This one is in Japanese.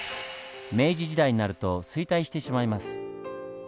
明治時代になると衰退してしまいます。